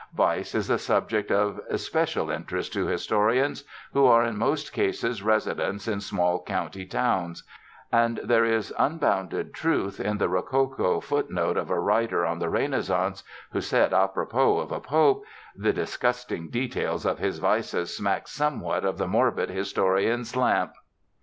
Vice is a subject of especial interest to historians, who are in most cases residents in small county towns; and there is unbounded truth in the rococo footnote of a writer on the Renaissance, who said à propos of a Pope: "The disgusting details of his vices smack somewhat of the morbid historian's lamp."